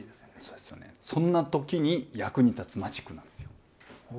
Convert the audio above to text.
そんな時に役に立つマジックなんですよ。